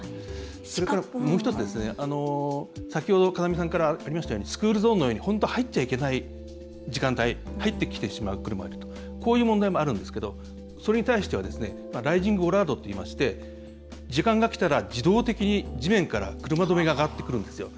それと、もう１つ先ほど風見さんからありましたようにスクールゾーンのように本当に入っちゃいけない時間帯に入ってきてしまう車がいるとそういう問題があるんですがそれに対してはライジングボラードといいまして時間がきたら自動的に地面から車止めが上がってくるんですよ。